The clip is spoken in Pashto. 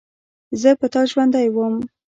زه په تا ژوندۍ وم.